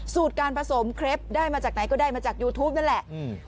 การผสมเคล็ปได้มาจากไหนก็ได้มาจากยูทูปนั่นแหละอืม